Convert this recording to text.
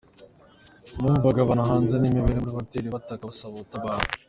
Numvaga abantu hanze n’imbere muri hoteli bataka basaba ubutabazi.